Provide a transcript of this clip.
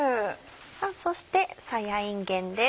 そしてさやいんげんです。